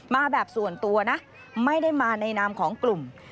มาแบบส่วนตัวนะไม่ได้มาในนามของกลุ่ม